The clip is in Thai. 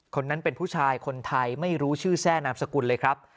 คนนั้นเป็นผู้ชายคนไทยไม่รู้ชื่อแทร่นามสกุลเลยครับ